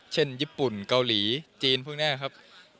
เช่นญี่ปุ่นเกาหลีจีนพวกนี้ครับ